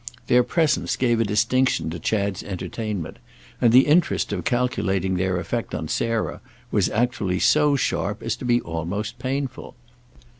Their presence gave a distinction to Chad's entertainment, and the interest of calculating their effect on Sarah was actually so sharp as to be almost painful.